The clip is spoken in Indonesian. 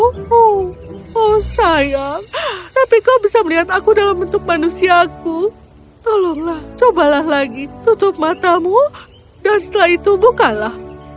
oh sayang tapi kau bisa melihat aku dalam bentuk manusiaku tolonglah cobalah lagi tutup matamu dan setelah itu bukalah